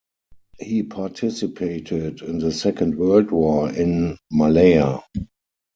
He participated in the Second World War in Malaya.